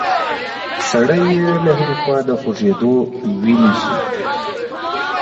سړی یې له هرې خوا د خوږېدو ویلی شي.